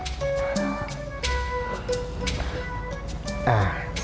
sebelumnya minta maaf bu